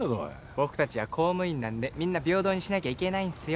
僕たちは公務員なんでみんな平等にしなきゃいけないんっすよ。